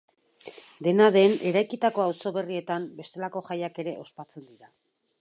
Dena den, eraikitako auzo berrietan, bestelako jaiak ere ospatzen dira.